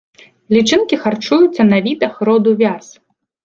Лічынкі харчуюцца на відах роду вяз.